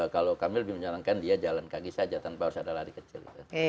kalau kami lebih menyarankan dia jalan kaki saja tanpa harus ada lari kecil